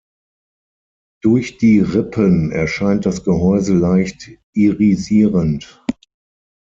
Durch die Rippen erscheint das Gehäuse leicht irisierend.